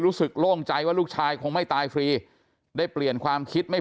โล่งใจว่าลูกชายคงไม่ตายฟรีได้เปลี่ยนความคิดไม่